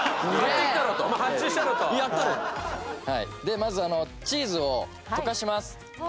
まずチーズを溶かします。